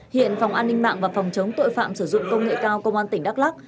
hiện phòng an ninh mạng và phòng chống tội phạm sử dụng công nghệ cao công an tỉnh đắk lắc